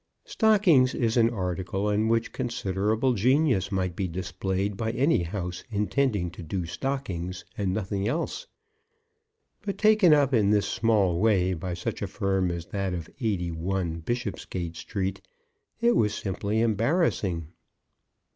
Stockings is an article on which considerable genius might be displayed by any house intending to do stockings, and nothing else; but taken up in this small way by such a firm as that of 81, Bishopsgate Street, it was simply embarrassing.